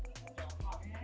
dan otonomi yang luar biasa